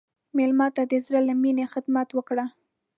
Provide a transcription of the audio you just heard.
مېلمه ته د زړه له میني خدمت وکړه.